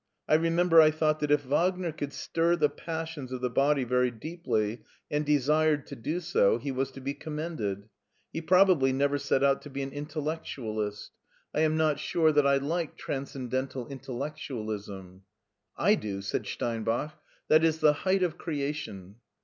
I remember I thought that if Wagner could stir the passions of the body very deeply, and desired to do so, he was to be commended. He probably never set out to be an intdlectualist. I LEIPSIC III am not sure that I like transcendental intellectualism." " I do," said Steinbach. " That is the height of creation